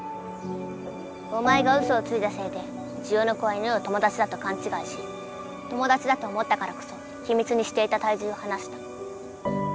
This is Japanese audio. お前がウソをついたせいでジオノコは犬を友だちだとかんちがいし友だちだと思ったからこそひみつにしていた体重を話した。